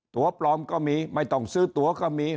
ตัวปลอมก็มีไม่ต้องซื้อตัวก็มี